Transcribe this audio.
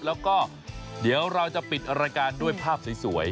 แล้วก็เดี๋ยวเราจะปิดรายการด้วยภาพสวย